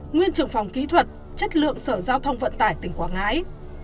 nguyên trưởng phòng kỹ thuật chất lượng sở giao thông vận tải tỉnh quảng ngãi